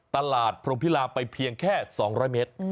พรมพิลามไปเพียงแค่๒๐๐เมตร